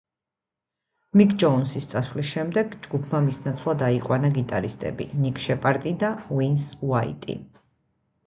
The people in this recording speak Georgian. მიკ ჯოუნსის წასვლის შემდეგ, ჯგუფმა მის ნაცვლად აიყვანა გიტარისტები ნიკ შეპარდი და ვინს უაიტი.